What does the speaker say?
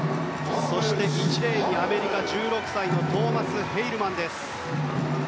そして１レーンにアメリカ、１６歳のトーマス・ヘイルマンです。